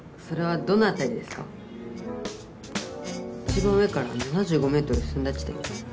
一番上から７５ｍ進んだ地点？